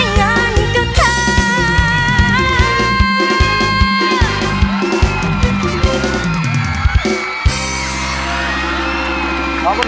อยากแต่งานกับเธออยากแต่งานกับเธอ